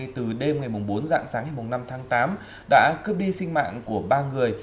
từ đêm ngày bốn dạng sáng ngày năm tháng tám đã cướp đi sinh mạng của ba người